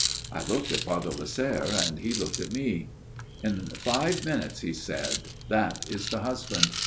" I looked at Father Lasserre, and he looked at me. ' In five minutes,' he said. * That is the j husband.